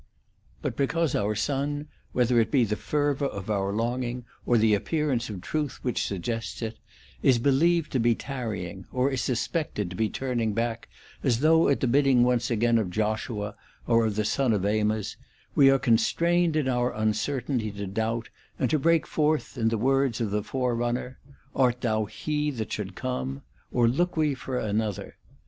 § 2. But because our Sun (whether it be the fervour of our longing, or the appearance of truth w^iich suggests it) is believed to be tarrying, or is suspected to be turning back, as though at the bidding once again of Joshua or of the son of Amoz, we are constrained in our uncertainty to doubt, and to break forth in the words of the Forerunner :' Art thou he that should come ? or look we for another